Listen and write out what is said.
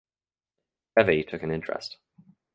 Devi took an interest.